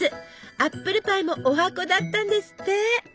アップルパイもおはこだったんですって！